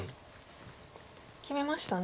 決めましたね。